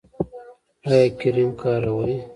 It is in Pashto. ایا کریم کاروئ؟